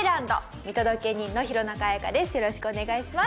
よろしくお願いします。